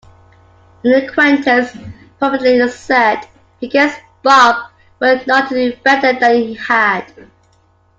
An acquaintance purportedly said, he guessed Bob would not do better than he had.